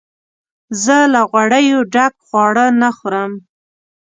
زه له غوړیو ډک خواړه نه خورم.